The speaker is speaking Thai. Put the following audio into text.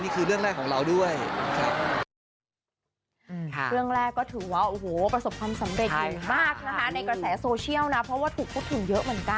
เพราะว่านี่คือเรื่องแรกของเราด้วย